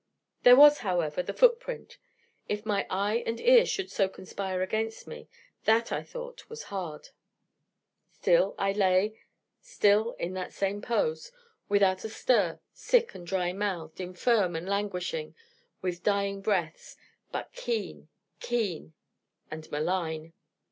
There was, however, the foot print. If my eye and ear should so conspire against me, that, I thought, was hard. Still I lay, still, in that same pose, without a stir, sick and dry mouthed, infirm and languishing, with dying breaths: but keen, keen and malign.